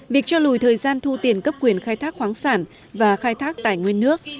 việc cho lùi thời gian thu tiền cấp quyền khai thác khoáng sản và khai thác tài nguyên nước